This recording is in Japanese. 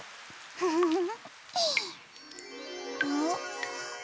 ウフフフ。